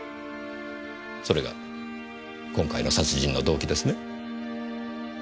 それが今回の殺人の動機ですね？